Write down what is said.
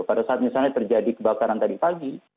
pada saat misalnya terjadi kebakaran tadi pagi